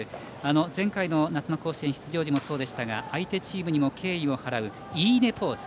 前回の夏の甲子園出場時もそうでしたが相手チームにも敬意を払ういいねポーズ。